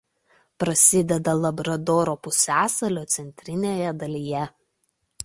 Prasideda Labradoro pusiasalio centrinėje dalyje.